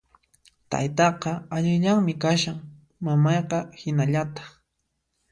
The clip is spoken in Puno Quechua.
Taytaqa allillanmi kashan, mamayqa hinallataq